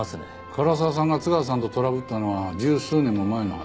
唐沢さんが津川さんとトラブったのは十数年も前の話。